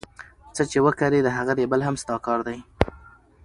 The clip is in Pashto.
څه چي وکرې د هغه رېبل هم ستا کار دئ.